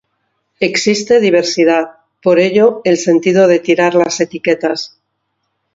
Existe diversidad, por ello el sentido de tirar las etiquetas.